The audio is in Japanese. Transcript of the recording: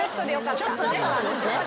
ちょっとなんですね。